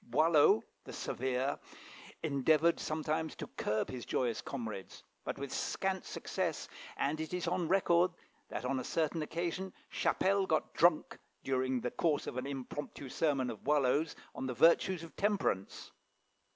Boileau, the Severe, endeavoured sometimes to curb his joyous comrades, but with scant success, and it is on record that on a certain occasion Chapelle got drunk during the course of an impromptu sermon of Boileau's on the virtues of temperance.